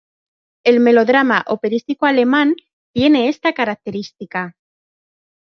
El melodrama operístico alemán tiene esta característica.